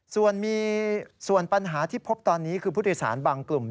ส่วนมีส่วนปัญหาที่พบตอนนี้คือผู้โดยสารบางกลุ่ม